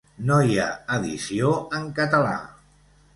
No hi ha edició en català.